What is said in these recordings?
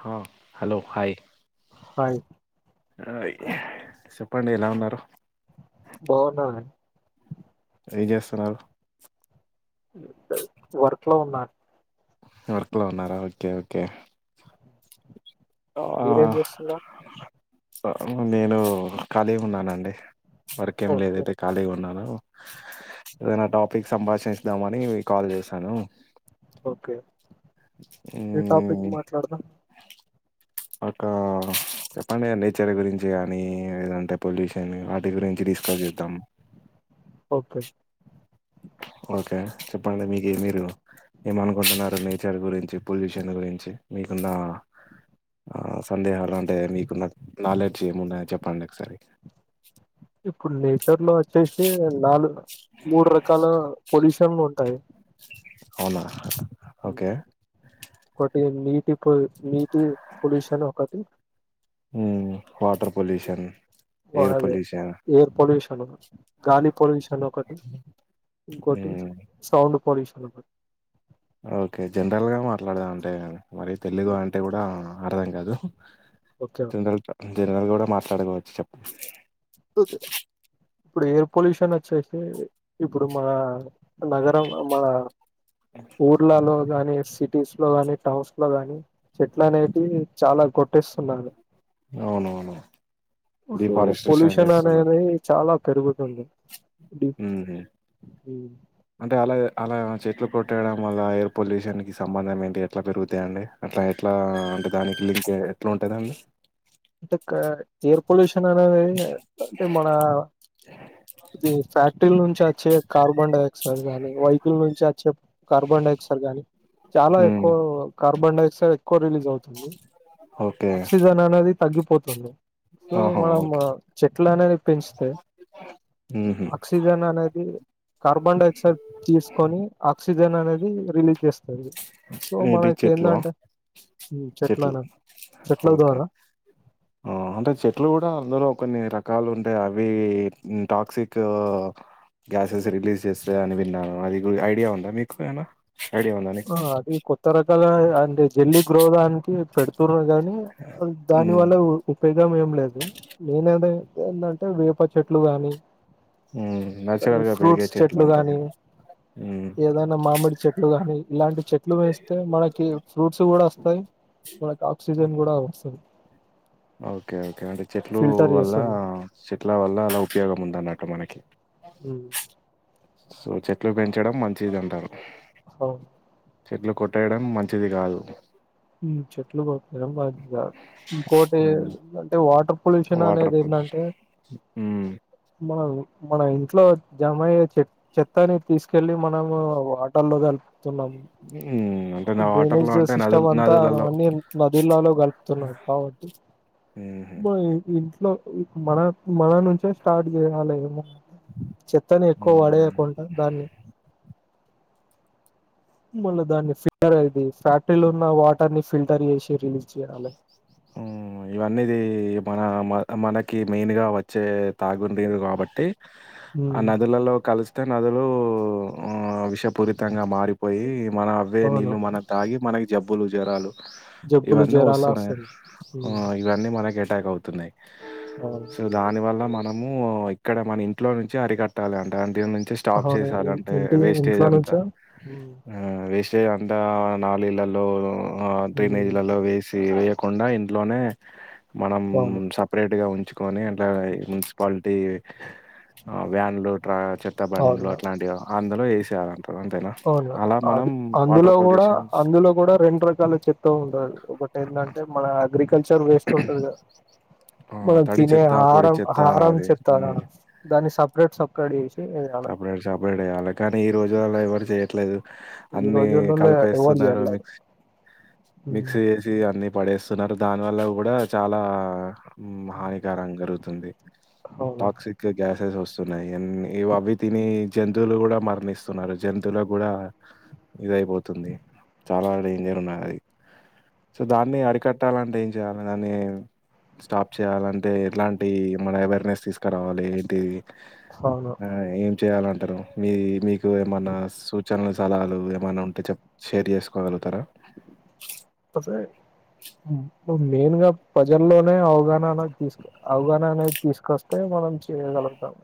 హ hello hi hi ఆ చెప్పండి ఎలా ఉన్నారు బాన్నా ఏ చేస్తున్నారు. వర్క్ లో ఉన్నా. వర్క్ లో ఉన్నారా ఓకే ఓకే. ఆ, మీరేం చేస్తున్నారు. నేను ఖాళీగా ఉన్నానండి. వర్క్ ఏమి లేదు ఓకే అండి ఖాళీగా ఉన్నాను. ఏదనా టాపిక్ సంభాషిద్దామని కాల్ చేశాను. ఓకే ఏ టాపిక్ మ్మ్, మాట్లాడుదాం ఒక చెప్పండి నేచర్ గురించి కానీ ఏదంటే పొల్యూషన్ వాటి గురించి ఇష్ట జీవితం ఓకే ఓకే చెప్పండి మీకు మీరు ఏమనుకుంటున్నారు నేచర్ గురించి పొల్యూషన్ గురించి మీకున్న ఆ సందేహాలు అంటే మీకున్న నాలెడ్జ్ ఏమున్నాయని చెప్పండి ఒకసారి ఇప్పుడు నేచర్ లో వచ్చేసి నాలుగు మూడు రకాల పొల్యూషన్లుంటాయి అవునా హ్మ్ ఓకే కొటియన్ ఇప్పు నీటి పొల్యూషన్ ఒకటి హ్మ్ వాటర్ పొల్యూషన్ వా- ఎయిర్ అదే పొల్యూషన్ ఎయిర్ పొల్యూషన్ గాలి పొల్యూషన్ ఒకటి ఇంకోటి మ్మ్ సౌండ్ పొల్యూషన్ ఓకే జనరల్ గా మాట్లాడదాం అంటే మరి తెలుగు ఉమ్, అంటే కూడా అర్థం కాదు ఓకే జనరల్ గా జనరల్ గా కూడా మాట్లాడుకోవచ్చు ఇప్పుడు హెయిర్ పొల్యూషన్ వచ్చేసి ఇప్పుడు మా నగరం మా ఊర్లాలో కాని సిటీస్ లో కానీ టౌన్స్ లో కాని చెట్లు అనేది చాలా కొట్టేస్తున్నారు అవునవును డిఫారెస్టేషన్ పొల్యూషన్ చేస్తున్నారు అనేది చాలా పెరుగు [inaudible] మ్మ్. అంటే అలా అలా చెట్లు కొట్టేయడం వల్ల ఎయిర్ పొల్యూషన్ కి సంబంధం ఏంటి ఎట్లా పెరుగుతాయిండి అట్లా ఎట్లా అంటే దానికి లింక్ ఎట్లా ఉంటదండి అంటే ఎయిర్ పొల్యూషన్ అనేది అంటే మన ఇది ఫ్యాక్టరీ నుంచి వచ్చే కార్బన్ డైయాక్సైడ్ గానీ వెహికల్ నుంచి వచ్చే కార్బన్ డైయాక్సైడ్ గాని చాలా మ్మ్. ఎక్కువ కార్బన్ డైఆక్సైడ్ ఎక్కువ రిలీజ్ అవుతుంది ఓకే ఆక్సిజన్ అనేది తగ్గిపోతుంది సో ఆహా మనం ఓకే చెట్లు అనేది పెంచితే మ్మ్. ఆక్సిజన్ అనేది కార్బన్ డైఆక్సైడ్ తీసుకొని ఆక్సిజన్ అనేది రిలీజ్ చేస్ సో ఏంటి చెట్లువా మనకేందంటే చెట్లు చెట్లను చెట్ల ద్వారా ఉమ్ అంటే చెట్లు కూడా అందులో కొన్ని రకాలు ఉంటాయి అవి టాక్సిక్ గ్యాసెస్ రిలీజ్ చేస్తాది అని విన్నాను అది ఐడియా ఉందా మీకు ఏమైనా ఐడియా ఉందా నీకు? ఆ అది కొత్త రకాల అంటే జల్లి గ్రోగానికి త్వరగానే దాని హ్మ్. వల్ల ఊగుతాయి పెదం ఏం లేదు నేనేద ఏంటంటే వేప చెట్లు గాని హ్మ్. కనీ నేచురల్‌గా పెరిగే ఫ్రూట్స చెట్లు ఉంటాయి గానీ గదా! హ్మ్. ఏదైనా మామిడి చెట్లు గానీ ఇలాంటి చెట్లు వేస్తే మనకి ఫ్రూట్స్ కూడా వస్తాయి మనకి ఆక్సిజన్ కూడా వస్తుంది ఓకే ఓకే అంటే చెట్లు ఫిల్టర్ వల్ల చేస్తుంది చెట్ల వల్ల అలా ఉపయోగం ఉంద అన్నట్టు మనకి హ్మ్మ్ సో చెట్లు పెంచడం మంచిది అంటారు ఓ చెట్లు కొట్టేయడం మంచిది కాదు చెట్లు కొట్టేయడం మంచిది కాదు ఇంకోటి హ్మ్. అంటే వాటర్ పొల్యుషన్ వాటర్ అనేది పొల్యూషన్ ఏందంటే హ్మ్. మన మన ఇంట్లో జామయ్యే చె చెత్తాన్ని తీసుకెళ్లి మనము వాటర్లో కల [unintelligible] ఉ డ్రైనేజ్ సిస్టమ్ అంతా అన్నీ నదిలలో కలుపుతున్నారు కాబట్టి హుహు. మ ఇంట్లో మన మన నుంచే స్టార్ట్ చేయాలమో చెత్తను ఎక్కువ హ్మ్. వాడేయకుండా దాన్ని మళ్ళ దధాన్ని ఫ ఇది ఫ్యాక్టరీలో ఉన్న వాటర్ ని ఫిల్టర్ చేసి రిలీజ్ చేయాలి ఇవన్నీది మన మ మనకి మెయిన్గా వచ్చే తాగుండది కాబట్టి ఆ ఉమ్ నదులలో కలిసి నదులు ఆ విషయ పూరితంగా మారిపోయి మన అవ్వే అవును నీళ్లు మనం తాగి మనకి జబ్బులు జ్వరాలు జబ్బులు జరా ఇవన్నీ మనకు ఎటాక్ అవుతున్నాయి అవును అసలు దానివల్ల మాకు మనము ఇక్కడ మన ఇంట్లో నుంచి అరికట్టాలి అంట ద నుంచి స్టాప్ అవును ఇ- చేంటే ఇంటి వేస్టేజ ఇంట్లో అంతఅ నుంచో వేస్ వచ్చే అంత నాలీళ్లలో డ్రైనేజ్లలో వేస్ట్ వేయకుండా ఇంట్లోనే మనం అవును సపరేట్ గా ఉ తెచ్చుకొని అట్లా మున్సిపాలిటీ ఆ వ్యాన్లు ట చెత్త బండ్లు అవును అట్లాంటివి అందులో వేసే అవును అది అందులో కూడా పొల్యూషన్ అందులో కూడా రెండు రకాల చెత్త ఉంటదు ఒక ఏంటంటే మన అగ్రికల్చర్ వేస్ట్ ఉంటది కదా ఆ! మనం తడి తినే చెత్త, పొడి హారం చెత్త హారం అది చెతారా హ్మ్. దాన్ని సపరేట్ సపరేట్ చేసి సపరేట్ సపరేట్ ఏయ్యాల కానీ ఈ రోజు అలా ఎవరు చేయట్లేదు ఈ అన్ని రోజులలో ఎవరు కలిపేస్తున్నారు చేయట్లేదు మిక్సీ మిక్సీ అన్ని పడేస్తున్నారు దాని వల్ల కూడా చాలా హానికర కరుగుతుంది అవును టాక్సిక్ గ్యాసెస్ వస్తున్నాయి అ అవి తిని జంతువులు కూడా మర నిమిస్తున్నారు జంతువులకు కూడా ఇదయిపోతుంది చాలా డేంజర్ ఉన్నా అది సో దాన్ని అడికట్టాలంటే ఏం చేయ్యాలి దన్ని స్టాప్ చేయాలంటే ఎట్లాంటి మన అవేర్నెస్ తీసుకురావాలి ఏంటి అవును ఆ ఏం చేయాలంటారు మీ మీకు ఏమన్నా సూచనలు సలాలు ఏమన్నా ఉంటే చె షేర్ చేసుకోగలుగుతారా కస మెయిన్ గా ప్రజల్లోనే అవగాహన అనేది అవగాహన అనేది తీసుకొస్తే మనం చేయగలుగుతాము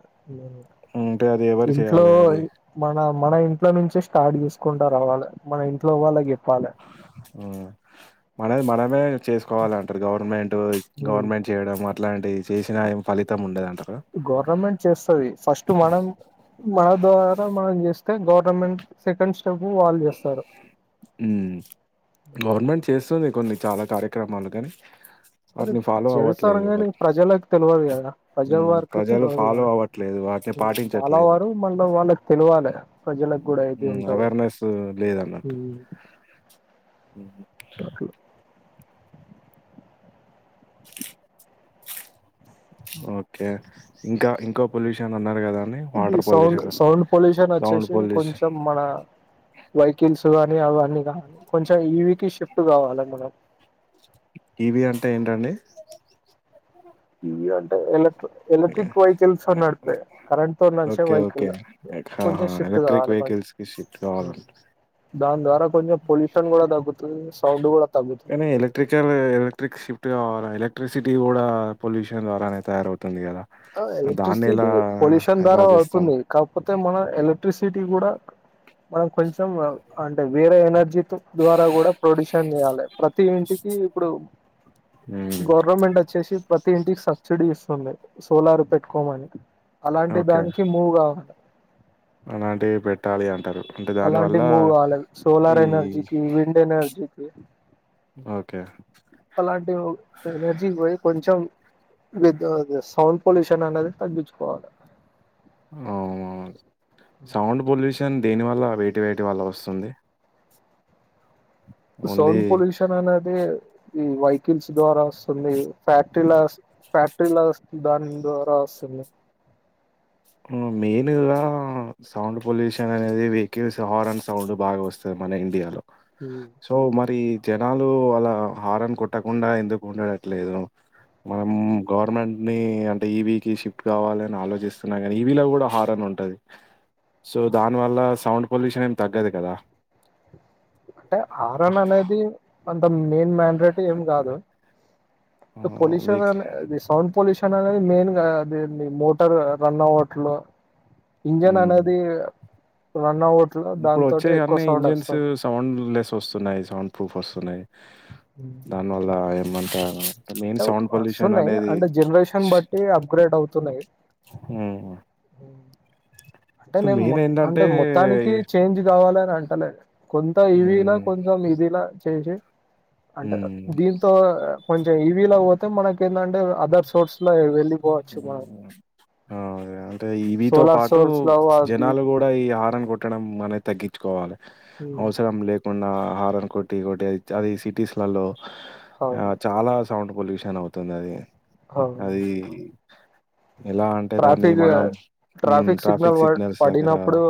ఉంటే అది ఎవరు ఇంట్లో చేయాలి అది? మన మన ఇంట్లో నుంచే స్టార్ట్ చేసుకుంటారు రావాలే మన ఇంట్లో వాళ్ళ ఆ మనది మనమే చేసుకోవాలంటారు గవర్నమెంట్ గవర్నమెంట్ చేయడం ఇట్లాంటివి చేసినా ఏ ఫలితం ఉండదంట గవర్నమెంట్ చేస్తుది ఫస్ట్ మనం మన ద్వారా మనం చేస్తు గవర్నమెంట్ సెకండ్ స్టెప్ వాళ్ళు చేస్తారు ఉ గవర్నమెంట్ చేస్త వస్తుంది కొన్ని చాలా కార్యక్రమాలు కాగాని అనీ చేశారు గానీ ప్రజలకు తెలియదు కదా ప్రజల హ్మ్. వకి ప్రజలు తెలియదు ఫాలో కాదు అవ్వట్లేదు. వాటిని చాలా పాటించట్లేదు. వారు మళ్ళం వాళ్ళకి తెలివాలి ప్రజలకు కూడా అయితే ఉంటది ఉ లేదన్నట్టు అట్లా ఓకే ఇంకా ఇంకో పొల్యూషన్ ఉన్నారు కదా ఇది సౌండ్ సౌండ్ పొల్యూషన్ సౌండ్ వచ్చేసి పొల్యూషన్ కొంచెం మన వైకిల్స్ ఇవన్నీ అవన్నీ కావాలి కొంచెం ఈవికి షిఫ్ట్ కావాలి మనం ఇవీ అంటే ఏంటండి ఇ అంటే ఎల్క ఏ- ఎలక్ట్రిక్ వెహికల్స్ అనడిపే కరెంట్ తో నడిచే ఓకే. వెహికల్ కొంచెం షిఫ్ట్ కావాలి బండి వెహికల్స్ కి షిఫ్ట్ కవాలంట దాని ద్వారా కొంచెం పొల్యూషన్ కూడా తగ్గు నేనే ఎలక్ట్రికల్ ఎలెక్ట్రిక్ షిఫ్ట్ కావాల ఎలక్ట్రీషిన్ సిటీ కూడా పొల్యూషన్ ద్వారానే తయారవుతుంది కదా ఆ దాన్ని ఎలా ఎలక్ట్రిసిటీ పొల్యూషన్ ఎలా ద్వారా చేస్తాం అవుతుంది. కాకపోతే మన ఎలక్ ఎలక్ట్రిసిటీ కూడా మనం కొంచెం అంటే వేరే ఎనర్జీ ద్వారా కూడా ప్రొడ్యూషన్ చేయాలి ప్రతి ఇంటికి ఇప్పుడు మ్మ్. గవర్నమెంట్ వచ్చేసి ప్రత్ ప్రతి ఇంటికి సబ్సిడీ ఇస్తుంది సోలార్ పెట్టుకోమని అలాంటి ఓకే దానికి మూవ్ కావాలి. అలాంటివి పెట్టాలి అంటారు. అంటే అలాంటి దానివల్ల మూవ్ కావలి సోలార్ ఈ ఎనర్జీకి విండ్ ఎనర్జీకి ఓకే అలాంటి ఓ ఎనర్జీ పోయి కొంచెం విద్దో అది సౌండ్ పొల్యూషన్ అనేది తగ్గించుకోవాలి అవునా సౌండ్ పొల్యూషన్ దేనివల్ల వేటి వేటి వల్ల వస్తుంది సౌండ్ ఓన్లీ పొల్యూషన్ అనేది. ఈ వైహికల్స్ ద్వారా వస్తుంది ఫ్యాక్టరీలస్ ఫ్యాక్టరీలస్ దాని ద్వారా వస్త్ సరేలే మెయిన్ గా సౌండ్ పొల్యూషన్ అనేది వెహికల్స్ హార్న్ సౌండ్ బాగా వస్తుంది. మన ఇండియాలో సో మరి! జనాలు అలా హారన్ కొట్టకుండా ఎందుకు ఉండటలేదు మనం గవర్నమెంట్ ని అంటే ఈబీకి షిఫ్ట్ కావాలిని ఆలోచిస్త మన ఇవిలో కూడా హారన్ ఉంటది సో దాని వల్ల సౌండ్ పొల్యూషన్ ఏమి తగ్గదు కదా అంటే హరన్ అనేది అంత మెయిన్ మ్యాన్ గట్టిగా ఏమి కాదు ఆహ్, పోల్యాషన్ మీక్ అనేది సౌండ్ పోల్యాషన్ అనరయి మెయిన్ గా అది ది మోటార్ రన్ అవటలే ఇంజన్ హ్మ్. అనేది రన్ అవటలే దానితోటి ఎక్కువ ఇప్పుడొచ్చేయన్నీ సౌండ్ ఇంజిన్స్ వస్తాది. సౌండ్ లెస్ వస్తున్నాయి సౌండ్ ప్రూఫ్ వస్తున్నాయి దాని వల్ల ఏమంటా అంటే వస్తున్నాయి అంటే జనరేషన్ బట్టి అప్గ్రేడ్ అవుతున్నాయి ఉ అంటే నేను అంటే మొత్తానికి చేంజ్ కావాలి అని అంటలేదు కొంత ఇవిలా హ్మ్. కొంచెం ఇదిలా చేంజ్ చెయ్ అంటే హ్మ్. దీంతో కొంచెం ఇవీలో పోతే మనకి ఏంటంటే అంటే అదర్ సోర్స్లా వెళ్లిపోవచ్చు మా హ్మ్. ఆ అంటే ఇవితో పాటు లో అది జనాలు కూడా ఈ హారన్ కొట్టడం అనేది తగ్గించుకోవాలి అవసరం లేకు మొన్న హారన్ కొట్టి కొట్టి అది సిటీసే లలో ఆ అవును చాలా సౌండ్ పొల్యూషన్ అవుతుంది అది అవును అది ఎలా అంటే దాన్ని ట్రాఫిక్ మనం ఉ సిగ్నల్ ట్రాఫిక్ సిగ్నల్స్ దగ్గర పడినప్పుడు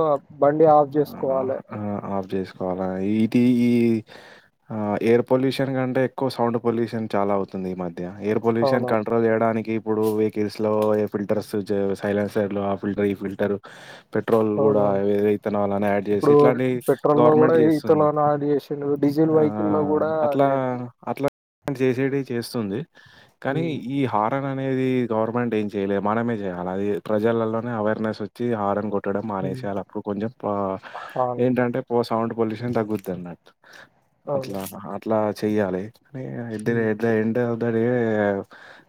బండి ఆఫ్ చేసుకోవాలి ఆ ఆఫ్ చేసుకోవాలా ఈ టీ ఈ ఆ ఎయిర్ పొల్యూషన్ కంటే ఎక్కువ సౌండ్ పొల్యూషన్ చాలా అవుతుంది ఈ మధ్య యా ఏయిర్ పొల్యూషన్ అవునవును కంట్రోల్ చేయడానికి ఇప్పుడు వెహికల్స్ లో ఫిల్టర్స్, సైలెన్సర్ లో ఆ ఫిల్టర్ ఈ ఫిల్టర్ పెట్రోల్ కూడా అవునవును ఇథనాల్ అని యాడ్ చేసి ఇప్పుడు ఇట్లాంటి పెట్రోల్ లో కూడా గవర్నమెంట్ చేస్తుంది. ఇతరులను యాడ్ చేసిండు డీజిల్ ఆ వెహికల్ లో కూడా అట్లా అదే అట్లా చేసేటివి చేస్తుంది కానీ ఈ హ రన్ అనేది గవర్నమెంట్ ఏం చేయలేదు మనమే చేయాలి అది ప్రజలలోనే అవేర్నెస్ వచ్చి హరన్ కొట్ ట్టడం మానేషేయల అప్పుడు కొంచెం అవును ఏంటంటే సౌండ్ పొల్యూషన్ తగ్గుద్ది అన్నట్టు అవును అట్లా అట్లా చెయ్యాలే కానీ at the end of the day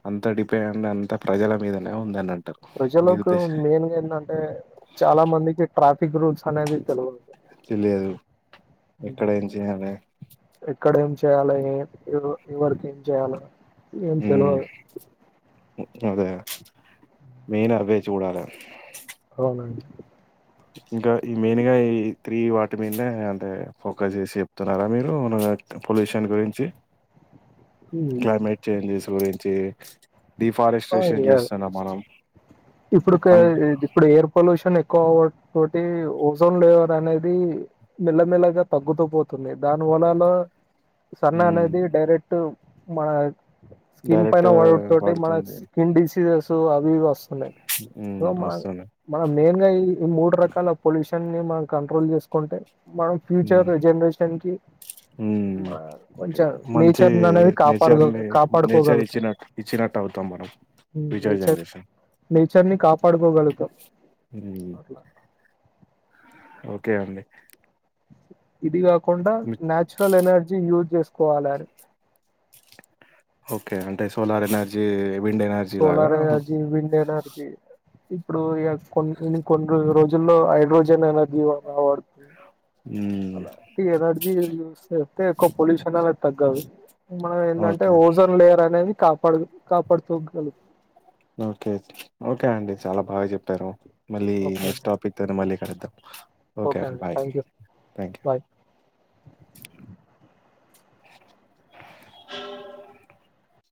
అంత డిపెండ్ అంత ప్రజల మీదనే ఉందన్న ప్రజలకు మెయిన్ గా ఏంటంటే చాలా మందికి ట్రాఫిక్ క్ రూల్స్ అనేవి తేల్వావ్ లేదు. ఎక్కడ ఏం చేయాలే ఇక్కడ ఏం చేయ్యాలె ఇవర్ ఎవరికి ఏం చెయ్యాలే హ్మ్ ఉక్కదుగా మెయిన్ అవ్వె చూడాల అవునండి ఇంకా ఈ మెయిన్ గా ఈ త్రీ వాటి మీదనే అంటే ఫోకస్ చేసి చెప్తున్నారా మీరు నాక్ పొల్యూషన్ గురించి, క్లైమేట్ చేంజెస్ గురించి డిఫారెస్ట్రేషన్ చేస్తున్నాం మనం ఇప్పుడు ఒక కన్ ఇప్పుడు ఎయిర్ పొల్యూషన్ ఎక్ అవ్వుడు తోటి ఓజోన్ లేయర్ అనేది మెల్లమెల్లగా తగ్గుతూ పోత్ తుంది దానివల్లనా సన్ మ్మ్ అనేది డైరెక్ట్ మన స్కిన్ పైన డైరెక్ట్ వడుడు తోటి మన పడుతుంది స్కిన్ డిసీజెస్ అవి ఇవి ఓస్ సో మ్మ్ మ వస్తుంది మన మెయిన్ గా ఈ మూడు రకాల పొల్యూ షన్ని మనం కంట్రోల్ చేసుకుంటే మనం ఫ్యూచర్ మ్మ్ జనరేషన్ కి హే మ్మ్ మా కొంచెం మంచి నేచర్ అనేది కాపాడ నేచర్ ని నేచర్ కాపాడుకోగలుగుతుంది ఇచ్చినట్టు ఇచ్చినట్టు అవుతాం మనం ఫ్యూచర్ జనరేషన్ నేచర్ ని కాపాడుకోగలుగుతాం మ్మ్ అట్లా ఓకే అండి ఇది కాకుండా న్యాచురల్ ఎనర్జీ యూజ్ చేసుకోవాలి ఓకే అంటే సోలార్ ఎనర్జీ విండ్ ఎనర్జీ లాగా solar energy, wind energy ఇప్పుడు ఇగ కోన్ కొన్ని రోజుల్లో హైడ్రోజన్ ఎనర్ జీ వనవడుతు మ్మ్ అలా ఇ ఎనర్జీ చూస్తే అయితే ఎక్కువ పొల్యూషన్ అనేది తగ్గది, మనం ఏందంటే ఓకే ఓజన్ లేయర్ అనేది కాప్ పడు కాపాడుతు కలం ఓకే ఓకే అండి చాలా బాగా చెప్పారు మళ్ళీ ఓకే నెక్స్ట్ అండి టాపిక్ తోనీ మళ్ళీ కలుద్దాం ఓకే అండి బాయ్ థ్యాంక్ యూ బాయ్